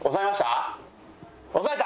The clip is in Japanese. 押さえた？